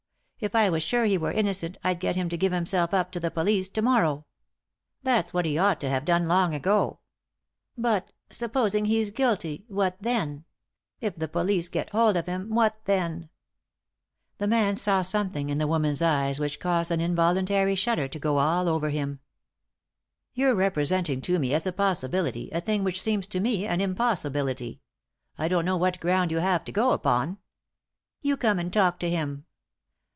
If I were sure he were innocent I'd get him to give him self up to the police to morrow." "That's what he ought to have done long ago." " But— supposing he's guilty, what then ? If the police get hold of him, what then ?" The man saw something in the woman's eyes which caused an involuntary shudder to go all over 239 3i 9 iii^d by Google THE INTERRUPTED KISS "You're representing to me, as a possibility, a thing which seems to me an impossibility. I don't know what ground you have to go upon " "You come and talk to him."